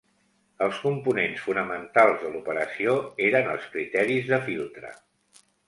Els components fonamentals de l'operació eren els criteris de filtre.